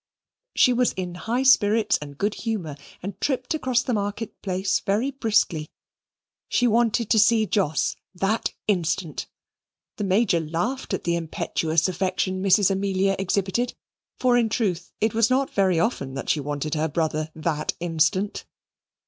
She was in high spirits and good humour, and tripped across the market place very briskly. She wanted to see Jos that instant. The Major laughed at the impetuous affection Mrs. Amelia exhibited; for, in truth, it was not very often that she wanted her brother "that instant."